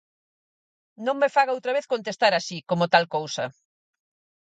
Non me faga outra vez contestar así, como tal cousa.